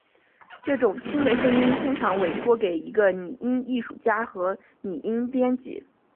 这种轻的声音通常委托给一个拟音艺术家和拟音编辑。